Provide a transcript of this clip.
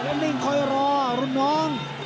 แล้วนิ่งคอยรอรุ่นน้อง